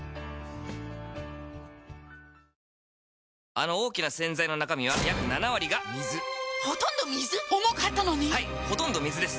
あの大きな洗剤の中身は約７割が水ほとんど水⁉重かったのに⁉はいほとんど水です